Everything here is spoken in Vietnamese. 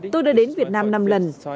tôi đã đến việt nam năm lần